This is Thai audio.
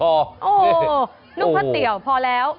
โอ้โหนุ่งข้าวเตี๋ยวพอแล้ว